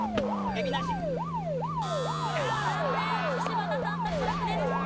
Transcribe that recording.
柴田さん脱落です。